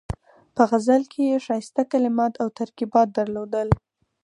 په غزل کې یې ښایسته کلمات او ترکیبات درلودل.